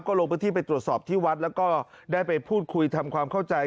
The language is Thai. ลงพื้นที่ไปตรวจสอบที่วัดแล้วก็ได้ไปพูดคุยทำความเข้าใจ